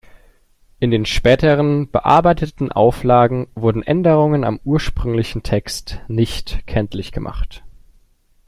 In den späteren, bearbeiteten Auflagen wurden Änderungen am ursprünglichen Text nicht kenntlich gemacht.